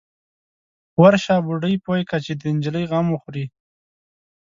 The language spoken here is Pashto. _ورشه، بوډۍ پوه که چې د نجلۍ غم وخوري.